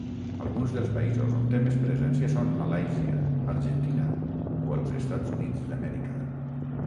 Alguns dels països on té més presència són Malàisia, Argentina o els Estats Units d'Amèrica.